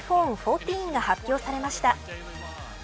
１４が発表されました。